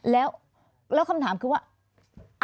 แล้วคำถามคือว่า